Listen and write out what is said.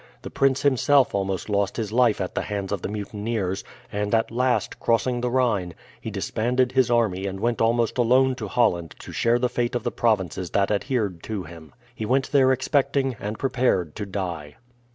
The prince himself almost lost his life at the hands of the mutineers, and at last, crossing the Rhine, he disbanded his army and went almost alone to Holland to share the fate of the provinces that adhered to him. He went there expecting and prepared to die.